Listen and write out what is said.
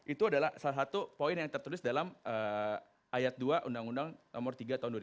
itu adalah salah satu poin yang tertulis dalam ayat dua undang undang nomor tiga tahun dua ribu dua